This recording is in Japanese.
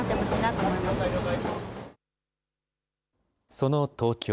その東京。